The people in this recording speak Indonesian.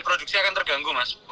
produksi akan terganggu mas